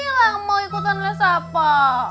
ibu mak kan belum bilang mau ikutan les apa